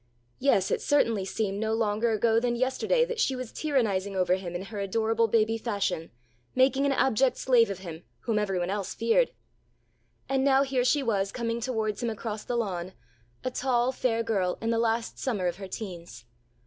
Yes, it certainly seemed no longer ago than yesterday that she was tyrannizing over him in her adorable baby fashion, making an abject slave of him, whom every one else feared. And now here she was coming towards him across the lawn, a tall, fair girl in the last summer of her teens.